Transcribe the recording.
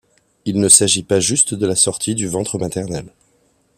Il ne s'agit pas juste de la sortie du ventre maternel.